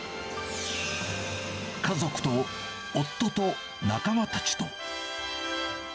家族と夫と仲間たちと。